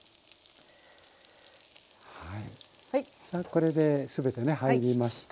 さあこれで全てね入りました。